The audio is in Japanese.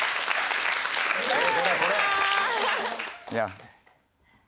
いや。